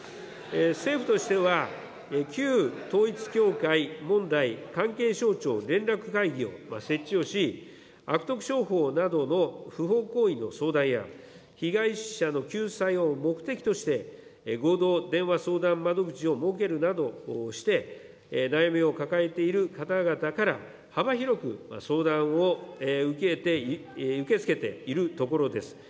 政府としては、旧統一教会問題関係省庁連絡会議を設置をし、悪徳商法などの不法行為の相談や、被害者の救済を目的として、合同電話相談窓口を設けるなどして、悩みを抱えている方々から、幅広く相談を受け付けているところです。